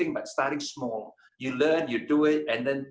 ini adalah hal yang baik dalam mulai dari kecil